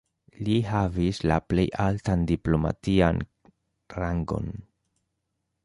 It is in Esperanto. Li havis la plej altan diplomatian rangon.